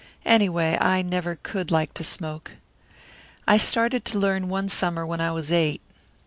Any way, I never could like to smoke. I started to learn one summer when I was eight.